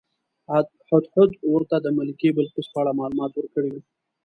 هدهد ورته د ملکې بلقیس په اړه معلومات ورکړي وو.